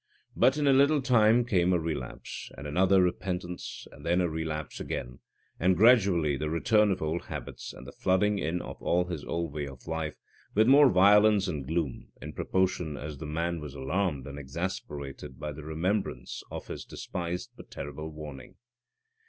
But in a little time came a relapse, and another repentance, and then a relapse again, and gradually the return of old habits and the flooding in of all his old way of life, with more violence and gloom, in proportion as the man was alarmed and exasperated by the remembrance of his despised, but terrible, warning.